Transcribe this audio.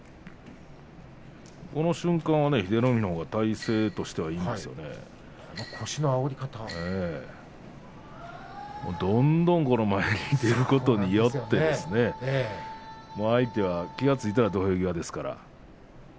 この瞬間は英乃海のほうが体勢として有利なんですがどんどん熱海富士が前に出ることによって英乃海は気が付いたら土俵際でしたね。